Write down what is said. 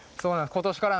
今年から！